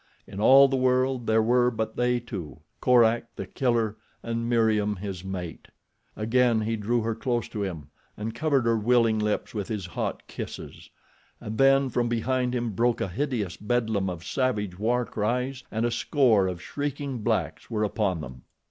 In all the world there were but they two—Korak, The Killer, and Meriem, his mate. Again he drew her close to him and covered her willing lips with his hot kisses. And then from behind him broke a hideous bedlam of savage war cries and a score of shrieking blacks were upon them.